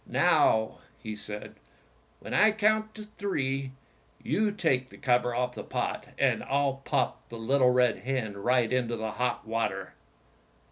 "Now," he said, "when I count three, you take the cover off the pot, and I'll pop the little red hen right into the hot water."